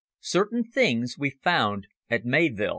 CERTAIN THINGS WE FOUND AT MAYVILL.